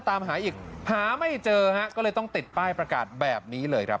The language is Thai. ตามหาอีกหาไม่เจอฮะก็เลยต้องติดป้ายประกาศแบบนี้เลยครับ